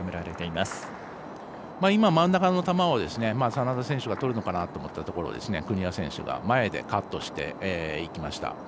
今、真ん中の球を眞田選手が取るのかなと思ったところを国枝選手が前でカットして、いきました。